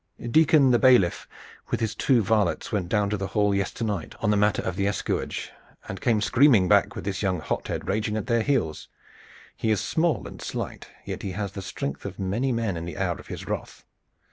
"Deacon the bailiff with his two varlets went down to the Hall yesternight on the matter of the escuage, and came screaming back with this young hothead raging at their heels. He is small and slight, yet he has the strength of many men in the hour of his wrath.